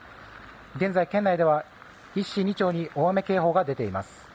現在、県内では１市２町に大雨警報が出ています。